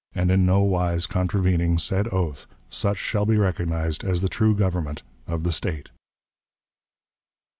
] and in no wise contravening said oath, such shall be recognized as the true government of the State."